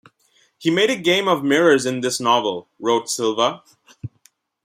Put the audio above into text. "He made a game of mirrors in this novel", wrote Silva.